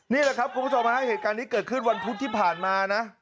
นี่แหละครับคุณผู้ชมฮะเหตุการณ์นี้เกิดขึ้นวันพุธที่ผ่านมานะ